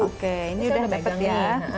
oke ini udah baik ya